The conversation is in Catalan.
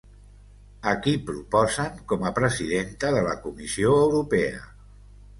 A qui proposen com a presidenta de la Comissió Europea?